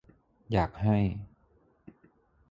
อยากให้